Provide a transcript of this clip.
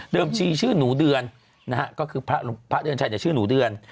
ชีชื่อหนูเดือนนะฮะก็คือพระเดือนชัยชื่อหนูเดือน